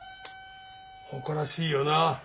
誇らしいよな。